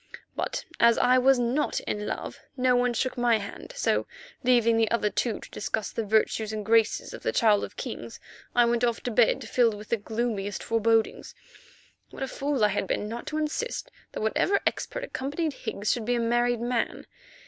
But, as I was not in love, no one shook my hand, so, leaving the other two to discuss the virtues and graces of the Child of Kings, I went off to bed filled with the gloomiest forbodings. What a fool I had been not to insist that whatever expert accompanied Higgs should be a married man.